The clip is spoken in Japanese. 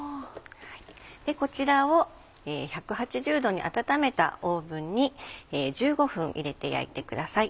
こちらを１８０℃に温めたオーブンに１５分入れて焼いてください。